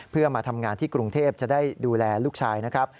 เพื่อมาทำงานที่กรุงเทพจะได้ดูแลลูกชายนะครับ